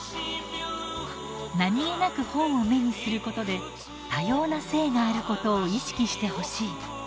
何気なく本を目にすることで多様な性があることを意識してほしい。